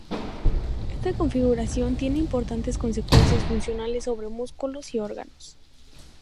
Esta configuración tiene importantes consecuencias funcionales sobre músculos y órganos.